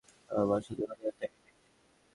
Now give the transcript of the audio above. আমার মা শুধু ঘটনাটি তাকিয়ে দেখছিল।